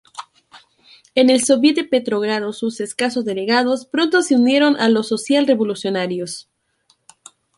En el Sóviet de Petrogrado sus escasos delegados pronto se unieron a los socialrevolucionarios.